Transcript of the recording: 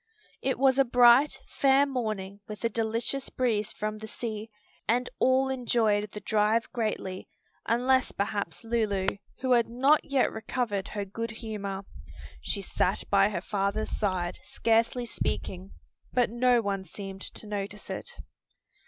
It was a bright, fair morning with a delicious breeze from the sea, and all enjoyed the drive greatly, unless perhaps Lulu, who had not yet recovered her good humor. She sat by her father's side, scarcely speaking, but no one seemed to notice it.